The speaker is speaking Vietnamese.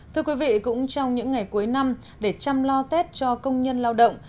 thưa quý vị cũng trong những ngày cuối năm để chăm lo tết cho công nhân lao động